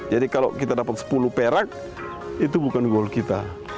jadi kalau kita dapat sepuluh perak itu bukan goal kita